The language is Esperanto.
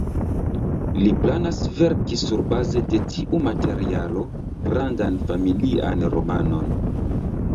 Li planas verki surbaze de tiu materialo grandan familian romanon.